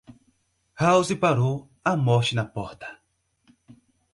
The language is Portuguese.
House parou, a morte na porta.